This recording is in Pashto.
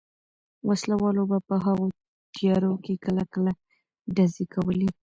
وسله والو به په هغو تیارو کې کله کله ډزې کولې.